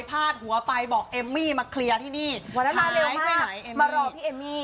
พาดหัวไปบอกเอมมี่มาเคลียร์ที่นี่วันนั้นมาแล้วมารอพี่เอมมี่